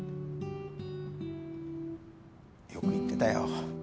よく言ってたよ。